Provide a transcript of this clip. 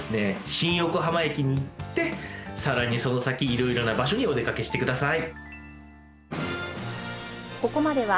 新横浜駅に行ってさらにその先色々な場所にお出かけしてください！